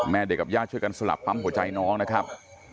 เด็กกับญาติช่วยกันสลับปั๊มหัวใจน้องนะครับ